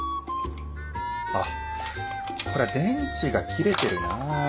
あっこれ電池が切れてるなあ。